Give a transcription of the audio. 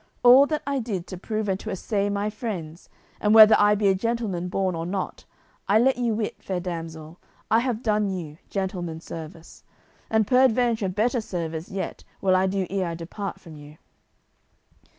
All that I did to prove and to assay my friends, and whether I be a gentleman born or not, I let you wit, fair damsel, I have done you gentleman's service, and peradventure better service yet will I do ere I depart from you."